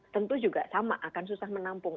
tentu juga sama akan susah menampung